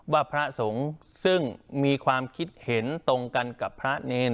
พระสงฆ์ซึ่งมีความคิดเห็นตรงกันกับพระเนร